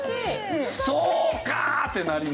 「そうか！」ってなります。